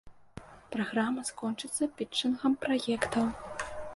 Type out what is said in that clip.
Праграма скончыцца пітчынгам праектаў.